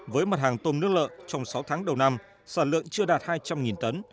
với mặt hàng tôm nước lợ trong sáu tháng đầu năm sản lượng chưa đạt hai trăm linh tấn